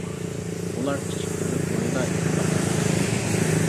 ئۇلار كىچىك كۆۋرۈك بۇيىدا ئىتتىپاق تۈزىدۇ.